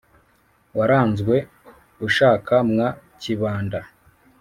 warazwe ushaka mwa kibanda.